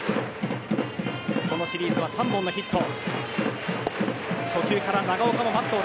このシリーズは３本のヒット。